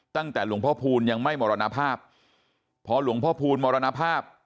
ตั้งแต่หลวงพ่อพูลยังไม่มรณภาพพอหลวงพ่อพูลมรณภาพ